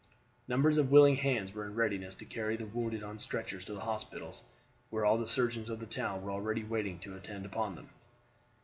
Numbers of willing hands were in readiness to carry the wounded on stretchers to the hospitals, where all the surgeons of the town were already waiting to attend upon them.